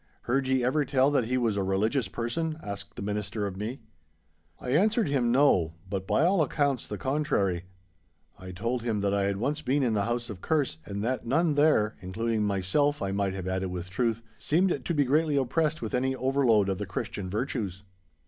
Heard ye ever tell that he was a religious person?' asked the Minister of me. I answered him no, but by all accounts the contrary. I told him that I had once been in the house of Kerse, and that none there (including myself, I might have added with truth) seemed to be greatly oppressed with any overload of the Christian virtues.